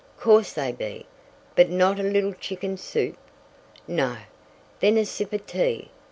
"Course they be. But now a little chicken soup? No? Then a sip of tea.